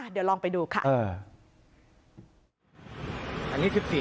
เดี๋ยวลองไปดูค่ะ